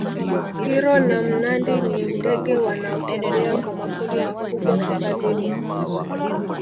heroe na mnandi ni ndege wanaotembea kwa makundi makubwa hifadhini